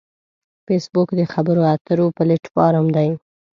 فېسبوک د خبرو اترو پلیټ فارم دی